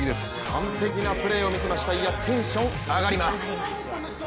完璧なプレーをみせましたテンションが上がります。